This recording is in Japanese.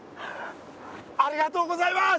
ありがとうございます！